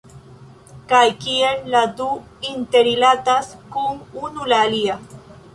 Kaj kiel la du interrilatas kun unu la alia